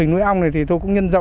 lượng đồng một năm